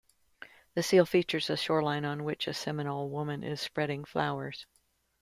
The seal features a shoreline on which a Seminole woman is spreading flowers.